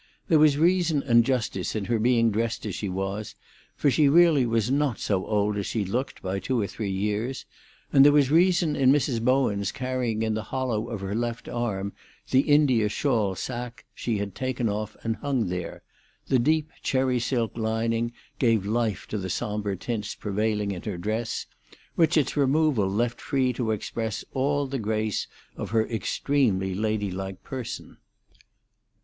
There was reason and justice in her being dressed as she was, for she really was not so old as she looked by two or three years; and there was reason in Mrs. Bowen's carrying in the hollow of her left arm the India shawl sacque she had taken off and hung there; the deep cherry silk lining gave life to the sombre tints prevailing in her dress, which its removal left free to express all the grace of her extremely lady like person.